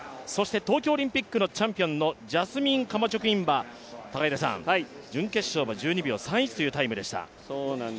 東京オリンピックのチャンピオンのジャスミン・カマチョ・クインは準決勝は１２秒３１というタイムでした。